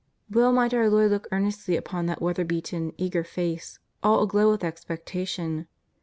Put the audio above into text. Well might our Lord look earnestly upon that weather beaten, eager face, all aglow with expectation.